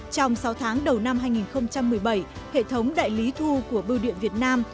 trong sáu tháng đầu năm hai nghìn một mươi bảy hệ thống đại lý thu của bưu điện việt nam